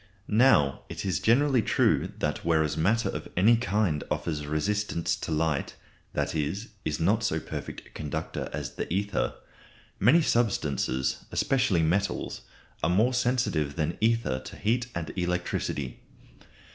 Now, it is generally true that whereas matter of any kind offers resistance to light that is, is not so perfect a conductor as the ether many substances, especially metals, are more sensitive than ether to heat and electricity.